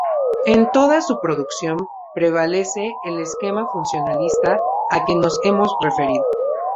En toda su producción prevalece el esquema funcionalista a que nos hemos referido.